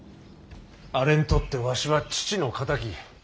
あれにとってわしは父の敵。